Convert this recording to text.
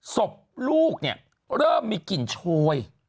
ศพลูกเริ่มมีกลิ่นโชย